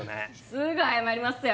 すぐ謝りますよ